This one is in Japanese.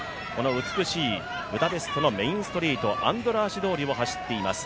美しいブダペストのメインストリート、アンドラーシ通りを走っています。